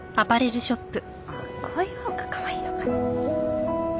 あっこういうほうがかわいいのかな？